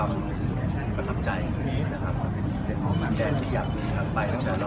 อันที่สุดท้ายก็คืออันที่สุดท้ายก็คืออั